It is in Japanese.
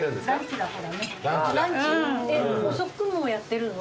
遅くもやってるの？